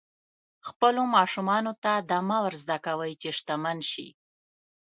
خپلو ماشومانو ته دا مه ور زده کوئ چې شتمن شي.